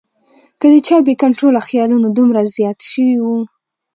کۀ د چا بې کنټروله خیالونه دومره زيات شوي وي